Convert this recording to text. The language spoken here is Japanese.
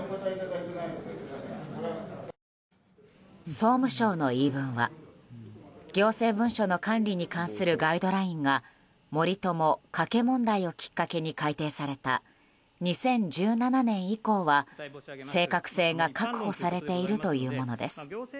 総務省の言い分は、行政文書の管理に関するガイドラインが森友・加計問題をきっかけに改定された２０１７年以降は正確性が確保されているというものです。